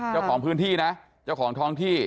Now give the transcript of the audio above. เจ้าของพื้นที่นะเจ้าของท้องที่